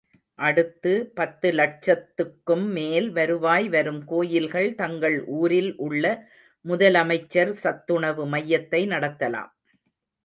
அடுத்து, பத்து லட்சத்துக்கும் மேல் வருவாய் வரும் கோயில்கள் தங்கள் ஊரில் உள்ள முதலமைச்சர் சத்துணவு மையத்தை நடத்தலாம்.